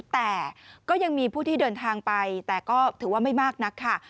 แต่ก็ยังมีผู้ที่เดินทางไปแต่ก็ถือว่าไม่มากนักค่ะ